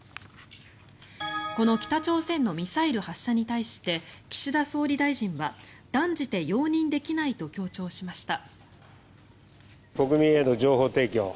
この北朝鮮のミサイル発射に対して岸田総理大臣は断じて容認できないと強調しました。